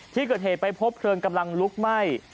ที่เกิดเหตุไปพบเพลิงกำลังลุกไหม้